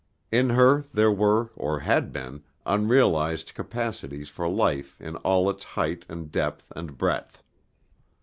In her there were, or had been, unrealized capacities for life in all its height and depth and breadth.